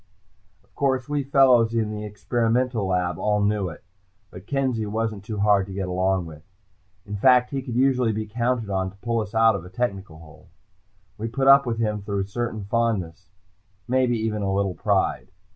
Of course, we fellows in the experimental lab all knew it, but Kenzie wasn't too hard to get along with. In fact, he could usually be counted on to pull us out of a technical hole. We put up with him through a certain fondness, maybe even a little pride.